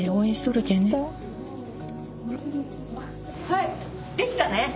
はいできたね？